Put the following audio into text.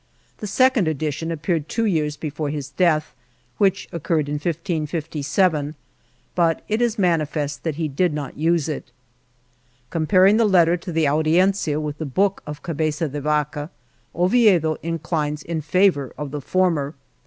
The second INTRODUCTION edition appeared two years before his death (which occurred in 1557), but it is manifest that he did not use it. Comparing the Letter to the Audiencia with the book of Cabeza de Vaca, Oviedo in clines in favor of the former.